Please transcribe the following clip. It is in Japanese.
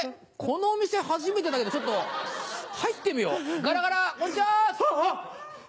このお店初めてだけどちょっと入ってみようガラガラこんにちは！